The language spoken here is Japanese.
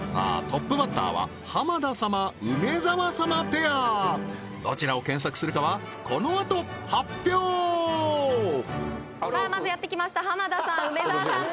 トップバッターは浜田様梅沢様ペアどちらを検索するかはこのあと発表さあまずやって来ました浜田さん梅沢さん